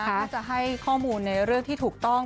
ถ้าจะให้ข้อมูลในเรื่องที่ถูกต้อง